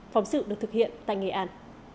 phóng sự được thực hiện tại nghệ an